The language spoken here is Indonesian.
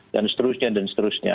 dan seterusnya dan seterusnya